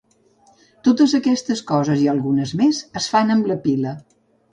Totes aquestes coses, i algunes més, es fan amb la pila.